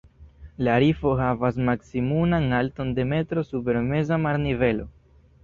La rifo havas maksimuman alton de metro super meza marnivelo.